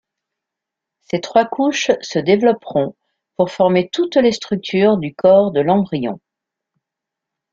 Ces trois couches se développeront pour former toutes les structures du corps de l'embryon.